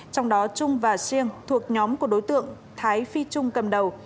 trong đó trung và siêng thuộc nhóm của đối tượng thái phi trung cầm đầu